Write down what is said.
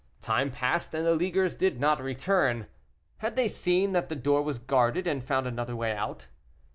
Time passed, and the leaguers did not return; had they seen that the door was guarded and found another way out?